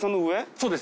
そうです。